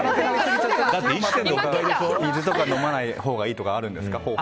水とか飲まないほうがいいとかあるんですか？